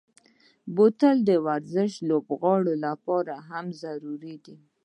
بوتل د ورزشي لوبغاړو لپاره هم ضروري دی.